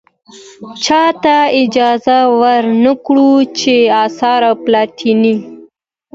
چاته اجازه ور نه کړو چې اثار و پلټنې.